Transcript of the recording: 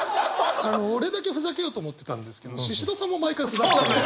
俺だけふざけようと思ってたんですけどシシドさんも毎回ふざけてるので。